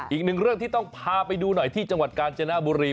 อีกหนึ่งเรื่องที่ต้องพาไปดูหน่อยที่จังหวัดกาญจนบุรี